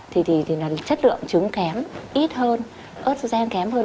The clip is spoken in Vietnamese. thì là chất lượng trứng kém ít hơn ớt dô xen kém hơn